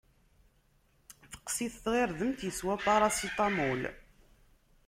Teqqes-it tɣirdemt, yeswa paracetamol!